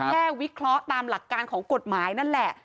วิเคราะห์ตามหลักการของกฎหมายนั่นแหละ